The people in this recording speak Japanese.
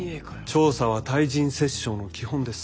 調査は対人折衝の基本です。